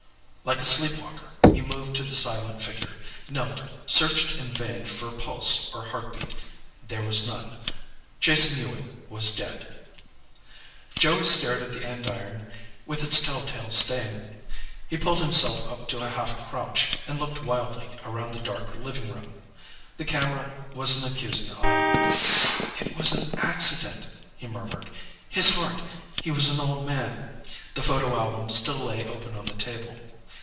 Like a sleep walker, he moved to the silent figure, knelt, searched in vain for pulse or heart beat. There was none. Jason Ewing was dead. Joey stared at the andiron with its tell tale stain. He pulled himself up to a half crouch and looked wildly around the dark living room. The camera was an accusing eye. "It was an accident," he murmured. "His heart. He was an old man." The photo album still lay open on the table.